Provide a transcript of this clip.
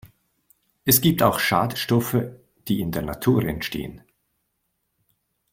Es gibt auch Schadstoffe, die in der Natur entstehen.